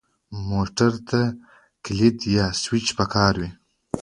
موټر ته کلید یا سوئچ پکار وي.